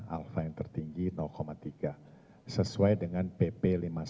alfa yang tertinggi tiga sesuai dengan pp lima puluh satu dua ribu dua puluh tiga